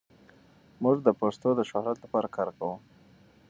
موږ د پښتو د شهرت لپاره کار کوو.